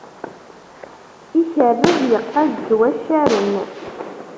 Ikerreb yeqqaz s waccaren.